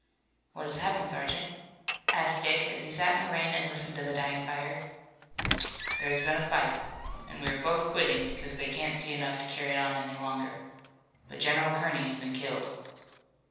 "What has happened, Sergeant?" asked Dick, as he sat in the rain and listened to the dying fire. "There has been a fight, and both are quitting because they can't see enough to carry it on any longer. But General Kearney has been killed."